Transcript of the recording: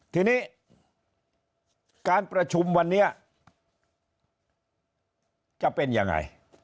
ทีนี้การประชุมวันนี้จะเป็นยังไง